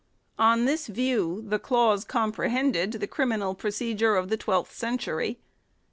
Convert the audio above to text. On this view the clause comprehended the criminal procedure of the twelfth century.